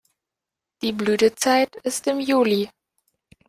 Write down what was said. Die Blütezeit ist im Juli.